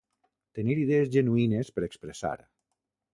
Tenir idees genuïnes per expressar.